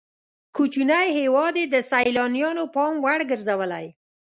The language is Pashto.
کوچنی هېواد یې د سیلانیانو پام وړ ګرځولی.